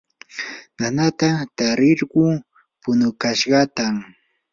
nanata tarirquu punukashqatam